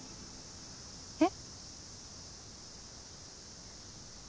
えっ？